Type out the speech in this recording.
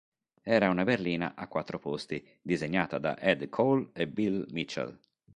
Era una berlina a quattro posti, disegnata da Ed Cole e Bill Mitchell.